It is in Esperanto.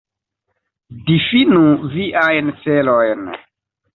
Difinu viajn celojn.